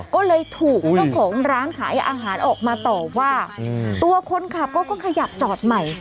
ก็เลยถูกเจ้าของร้านขายอาหารออกมาต่อว่าตัวคนขับเขาก็ขยับจอดใหม่